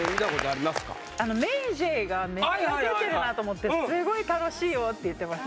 あのＭａｙＪ．がめっちゃ出てるなと思ってすごい楽しいよって言ってました